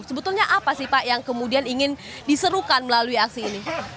sebetulnya apa sih pak yang kemudian ingin diserukan melalui aksi ini